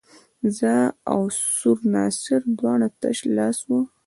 زه او سور ناصر دواړه تش لاس وو.